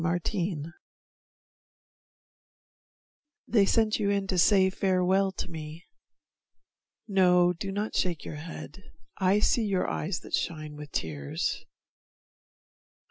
Erinna They sent you in to say farewell to me, No, do not shake your head; I see your eyes That shine with tears.